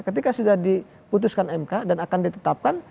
ketika sudah diputuskan mk dan akan ditetapkan